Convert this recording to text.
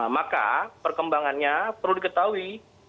maka perkembangannya perlu diketahui